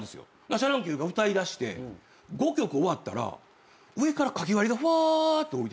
シャ乱Ｑが歌いだして５曲終わったら上から書き割りがふわーって下りてきて。